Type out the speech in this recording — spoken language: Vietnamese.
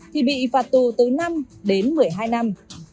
thì bị phạt tù từ năm đến một mươi hai năm